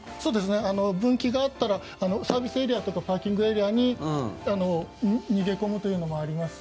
分岐があったらサービスエリアとかパーキングエリアとかに逃げ込むというのもありますし。